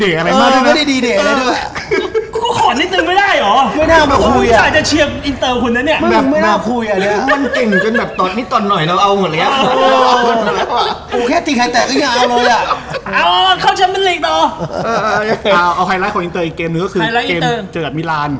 เอาไฮไลท์ของอินเตอร์อีกเกมหนึ่งก็คือเกมเจอกับมิราน